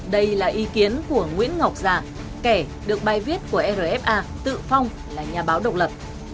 đây là ý kiến của nguyễn ngọc già kẻ được bài viết của rfa tự phong là nhà báo độc lập